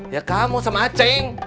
ya kamu sama acing